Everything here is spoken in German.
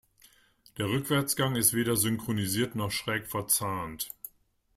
Der Rückwärtsgang ist weder synchronisiert noch schräg verzahnt.